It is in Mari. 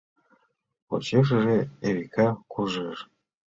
Почешыже Эвика куржеш.